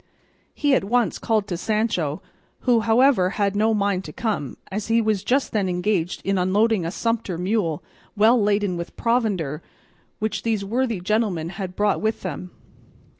He at once called to Sancho, who, however, had no mind to come, as he was just then engaged in unloading a sumpter mule, well laden with provender, which these worthy gentlemen had brought with them.